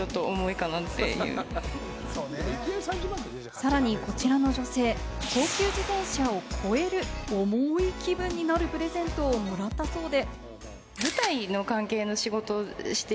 さらにこちらの女性、高級自転車を超える重い気分になるプレゼントをもらったそうで。